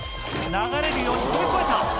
流れるように飛び越えた！